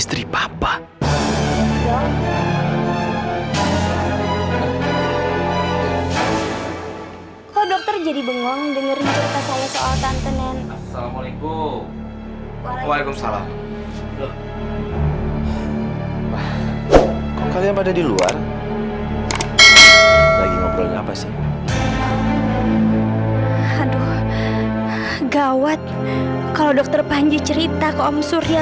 sampai jumpa di video selanjutnya